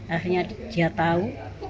akhirnya dia tau